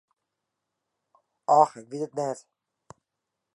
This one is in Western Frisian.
Och, ik wit it net.